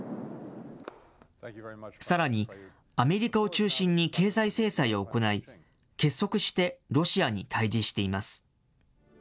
さらに、アメリカを中心に経済制裁を行い、結束してロシアに対じしています。